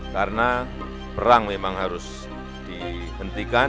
karena perang memang harus dihentikan